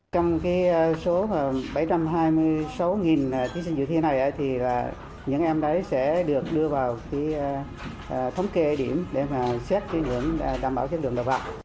trong số bảy trăm hai mươi sáu thí sinh dự thi này những em đấy sẽ được đưa vào thống kê điểm để xét tuyển đảm bảo chất lượng đồng bạc